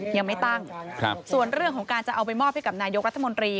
ยังไม่ตั้งส่วนเรื่องของการจะเอาไปมอบให้กับนายกรัฐมนตรี